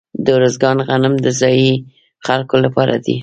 د ارزګان غنم د ځايي خلکو لپاره دي.